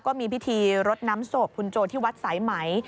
ก็มีพิธีรดน้ำศพคุณโจที่วัดสายไหม